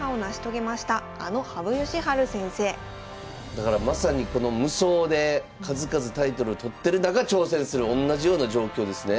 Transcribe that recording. だからまさに無双で数々タイトルを取ってる中挑戦するおんなじような状況ですね。